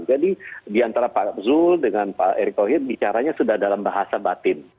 jadi di antara pak zulkifli hasan dengan pak erick thohir bicaranya sudah dalam bahasa batin